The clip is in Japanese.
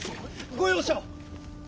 ご容赦を！